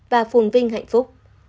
và phồn vinh hạnh phúc